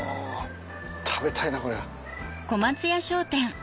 食べたいなこれは。